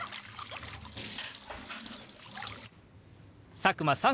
佐久間さん